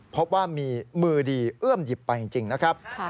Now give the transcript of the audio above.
พบว่ามีมือดีเอื้อมหยิบไปจริงนะครับ